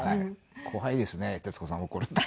怖いですね徹子さん怒ると。